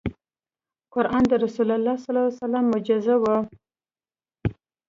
قرآن د رسول الله ص معجزه وه .